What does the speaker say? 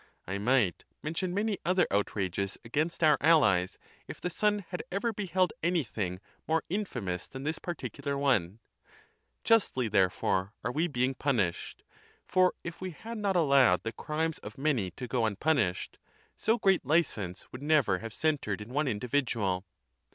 I might mention many other outrages against our allies, if the sun had ever beheld anything more infamous than this particular one. Justly, therefore, are The wages of we being punished. For if we had not allowed the ^^^^'"^°^^°'^'" crimes of many to go unpunished, so great licence would never have centred in one individual.